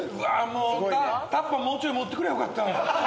もうタッパーもうちょい持ってくりゃよかった。